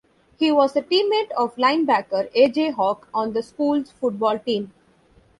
He was a teammate of linebacker A. J. Hawk on the school's football team.